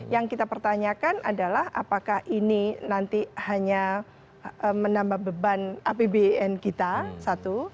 yang kita pertanyakan adalah apakah ini nanti hanya menambah beban apbn kita satu